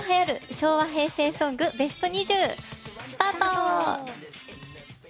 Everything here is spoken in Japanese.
昭和平成ソングベスト２０スタート！